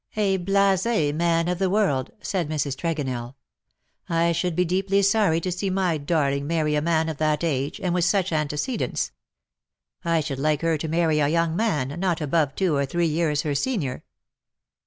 A blase man of the world,''^ said Mrs. Tregonell. ^^ I should be deeply sorry to see my darling marry a man of that age — and with such antecedents. I should like her to marry a young man not above two or three years her senior."